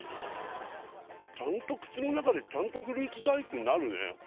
ちゃんと口の中でちゃんとフルーツ大福になるね